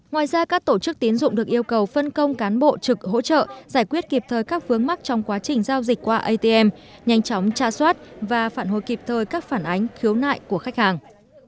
ngoài ra các tổ chức tiến dụng được yêu cầu phân công cán bộ trực hỗ trợ giải quyết kịp thời các vướng mắc trong quá trình giao dịch qua atm nhanh chóng tra soát và phản hồi kịp thời các phản ánh khiếu nại của khách hàng